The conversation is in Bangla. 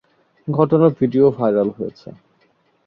ঘটনার ভিডিও ভাইরাল হয়েছে।